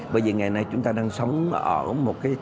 bởi vì ngày nay chúng ta đang sống ở một cái